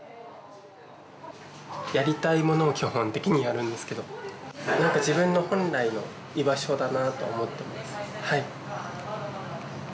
やりたいものを基本的にやるんですけど自分の本来の居場所だなと思ってます